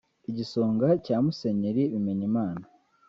Igisonga cya Musenyeri Bimenyimana